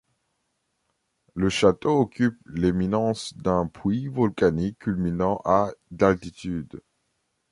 Le château occupe l'éminence d'un puy volcanique culminant à d'altitude.